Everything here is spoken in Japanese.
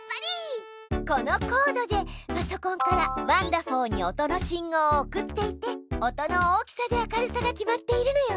このコードでパソコンからワンだふぉーに音の信号を送っていて音の大きさで明るさが決まっているのよ。